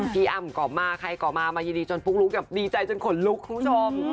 พี่อ้ำก่อมาใครก่อมามายินดีจนปุ๊กลุ๊กกับดีใจจนขนลุกคุณผู้ชม